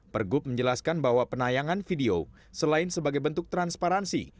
pergub menjelaskan bahwa penayangan video selain sebagai bentuk transparansi